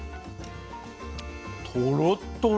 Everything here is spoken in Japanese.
とろっとろ。